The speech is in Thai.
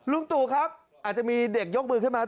ลุงตู่ครับอาจจะมีเด็กยกมือขึ้นมา